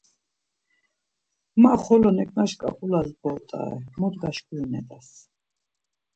Ma xolo neǩnaş ǩap̌ulas bort̆are, mot gaşkurinet̆as.